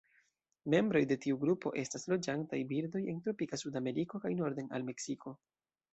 Membroj de tiu grupo estas loĝantaj birdoj en tropika Sudameriko kaj norden al Meksiko.